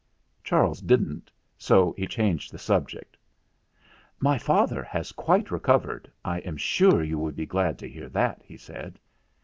Charles didn't, so he changed the subject. "My father has quite recovered. I am sure you will be glad to hear that," he said.